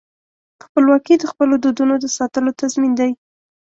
خپلواکي د خپلو دودونو د ساتلو تضمین دی.